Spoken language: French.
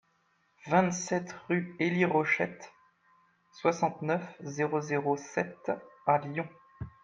vingt-sept rue Élie Rochette, soixante-neuf, zéro zéro sept à Lyon